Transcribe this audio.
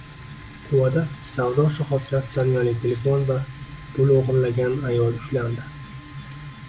Quvada savdo shoxobchasidan uyali telefon va pul o‘g‘rilagan ayol ushlandi